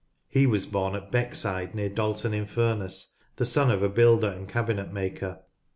He was born at Beck side near Dalton in Furness, the son of a builder and cabinet maker.